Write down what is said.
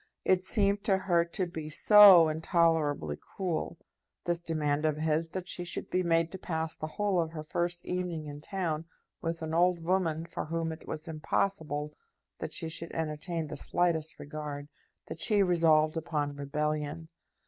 It seemed to her to be so intolerably cruel, this demand of his, that she should be made to pass the whole of her first evening in town with an old woman for whom it was impossible that she should entertain the slightest regard, that she resolved upon rebellion.